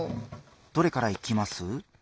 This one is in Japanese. どれからいきます？